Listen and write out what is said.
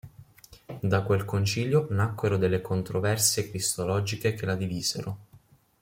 Da quel concilio nacquero delle controversie cristologiche che la divisero.